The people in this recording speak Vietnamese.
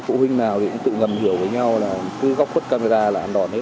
phụ huynh nào thì cũng tự ngầm hiểu với nhau là cứ góc khuất camera là hẳn đòn hết